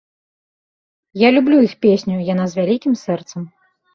Я люблю іх песню, яна з вялікім сэрцам.